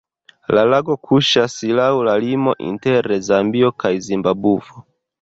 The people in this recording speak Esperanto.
La lago kuŝas laŭ la limo inter Zambio kaj Zimbabvo.